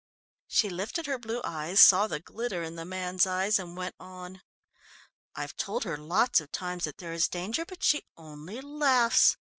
She lifted her blue eyes, saw the glitter in the man's eyes and went on. "I've told her lots of times that there is danger, but she only laughs.